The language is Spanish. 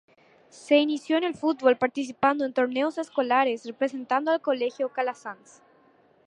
Se inició en el fútbol participando en torneos escolares representando al Colegio Calasanz.